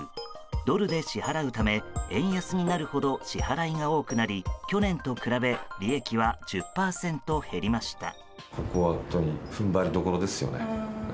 ドルで支払うため円安になるほど支払いが多くなり去年と比べ利益は１０％減りました。